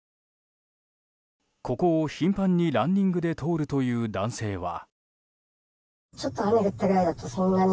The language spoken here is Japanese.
ここを頻繁にランニングで通るという男性は。